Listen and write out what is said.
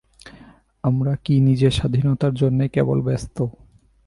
আমরা কি নিজের স্বাধীনতার জন্যেই কেবল ব্যস্ত?